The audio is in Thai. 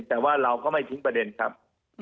แต่ว่าเราก็ไม่ทิ้งประเด็นครับ